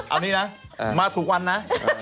เอานี่นะมาถูกวันนะ